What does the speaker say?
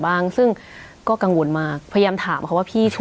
สวัสดีครับทุกผู้ชม